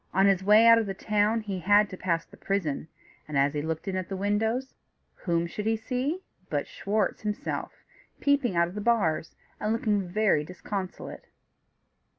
On his way out of the town he had to pass the prison, and as he looked in at the windows, whom should he see but Schwartz himself peeping out of the bars, and looking very disconsolate.